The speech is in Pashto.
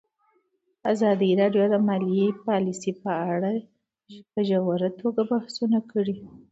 ازادي راډیو د مالي پالیسي په اړه په ژوره توګه بحثونه کړي.